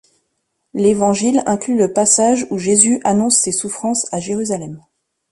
L'Évangile inclut le passage où Jésus annonce ses souffrances à Jérusalem.